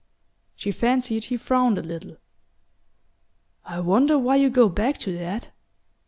She fancied he frowned a little. "I wonder why you go back to that?"